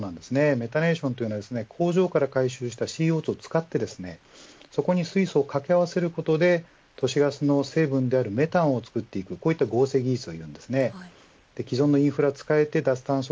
メタネーションというのは工場から回収したＣＯ２を使ってそこに水素を掛け合わせることで都市ガスの成分であるメタンを作っていくこういう合成技術です。